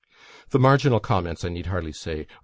The marginal comments, I need hardly say, are M.